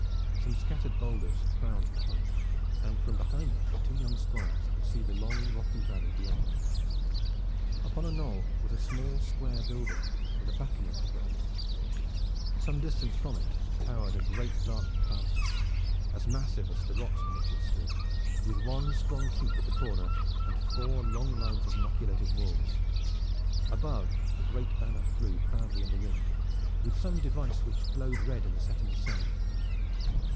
Some scattered boulders crowned the height, and from behind them the two young Squires could see the long rocky valley beyond. Upon a knoll was a small square building with a battlement round it. Some distance from it towered a great dark castle, as massive as the rocks on which it stood, with one strong keep at the corner, and four long lines of machicolated walls. Above, a great banner flew proudly in the wind, with some device which glowed red in the setting sun.